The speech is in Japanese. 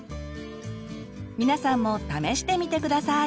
皆さんも試してみて下さい！